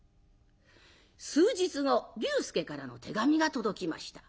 数日後龍介からの手紙が届きました。